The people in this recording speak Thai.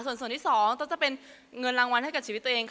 ส่วนที่๒ก็จะเป็นเงินรางวัลให้กับชีวิตตัวเองค่ะ